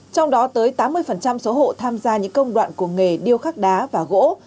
trong đó tới tám mươi số hộ tham gia những công đoạn của nghề điêu khắc đá và gỗ